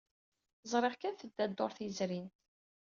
Ẓriɣ kan tedda dduṛt yezrin.